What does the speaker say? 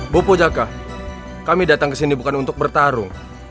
bopo jakka kami datang kesini bukan untuk bertarung